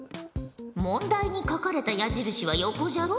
問題に書かれた矢印は横じゃろう？